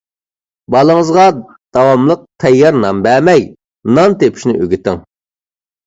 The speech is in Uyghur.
بالىڭىزغا داۋاملىق تەييار نان بەرمەي، نان تېپىشنى ئۆگىتىڭ.